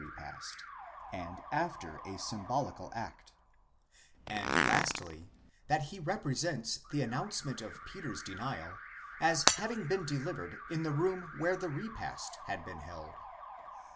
repast, and after a symbolical act ; and lastly, that he represents the announce ment of Peter's denial as having been delivered in the room where the repast had been held.